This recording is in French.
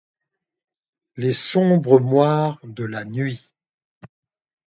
Les sombres moires de la nuit.